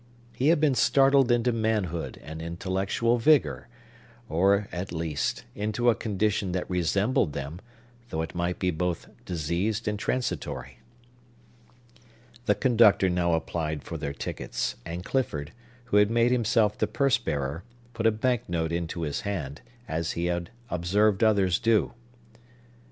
He had been startled into manhood and intellectual vigor; or, at least, into a condition that resembled them, though it might be both diseased and transitory. The conductor now applied for their tickets; and Clifford, who had made himself the purse bearer, put a bank note into his hand, as he had observed others do.